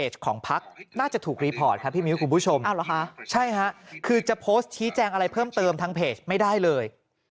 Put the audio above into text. ใช่ค่ะคือจะโพสต์ชี้แจงอะไรเพิ่มเติมทางเพจไม่ได้เลย